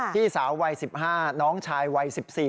พี่สาววัย๑๕น้องชายวัย๑๔